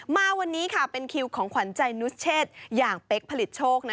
มาวันนี้เป็นคิวของขวัญใจนุสเชษอย่างเป๊กผลิตโชค